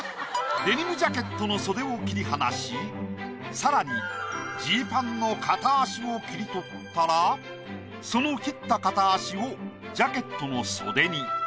デニムジャケットの袖を切り離しさらにジーパンの片足を切り取ったらその切った片足をジャケットの袖に。